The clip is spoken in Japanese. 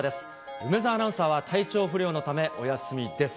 梅澤アナウンサーは体調不良のため、お休みです。